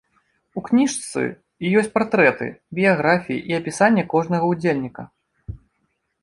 У кніжцы ёсць партрэты, біяграфіі і апісанне кожнага ўдзельніка.